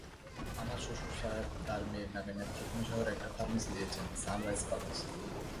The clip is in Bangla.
আমার শ্বশুর সাহেব তাঁর মেয়ের নামে নেত্রকোণা শহরে একটা ফার্মেসি দিয়েছেন-সানরাইজ ফার্মেসি।